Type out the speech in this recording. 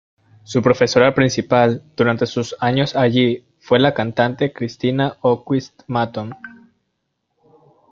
Su profesora principal durante sus años allí fue la cantante Christina Öqvist-Matton.